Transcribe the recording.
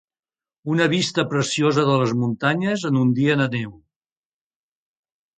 Una vista preciosa de les muntanyes en un dia de neu.